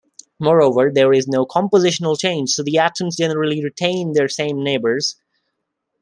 Moreover, there is no compositional change so the atoms generally retain their same neighbors.